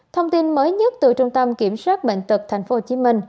thông tin mới nhất từ trung tâm kiểm soát bệnh tật tp hcm